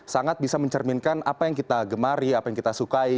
sangat bisa mencerminkan apa yang kita gemari apa yang kita sukai